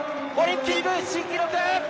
オリンピックレース新記録。